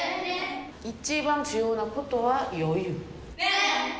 一番重要なことは余裕。